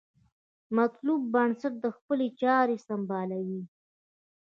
مطلوب بنسټ خپلې چارې سمبالوي.